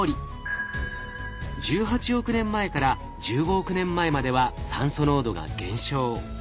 １８億年前から１５億年前までは酸素濃度が減少。